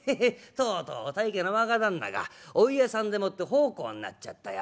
とうとうご大家の若旦那がお湯屋さんでもって奉公になっちゃったよ。